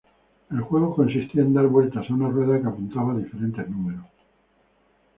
El juego consistía en dar vueltas a una rueda que apuntaba a diferentes números.